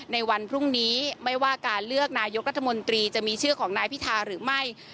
ในวันพรุ่งนี้ไม่ว่าการเลือกนายกรัฐมนตรีจะมีชื่อของนายพิธาหรือไม่